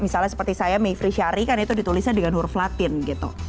boleh ya misalnya seperti saya mifri syari kan itu ditulisnya dengan huruf latin gitu